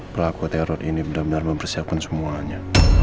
pelaku teror ini benar benar mempersiapkan semuanya